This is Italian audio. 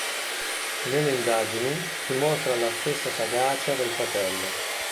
Nelle indagini dimostra la stessa sagacia del fratello.